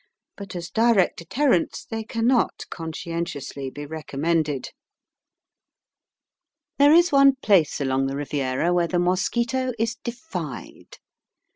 But as direct deterrents they cannot conscientiously be recommended. There is one place along the Riviera where the mosquito is defied.